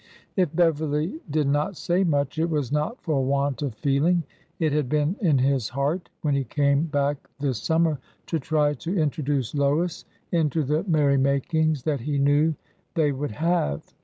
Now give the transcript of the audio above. If Beverly did not say much, it was not for want of feeling. It had been in his heart, when he came back this summer, to try to introduce Lois into the merrymakings that he knew they would have.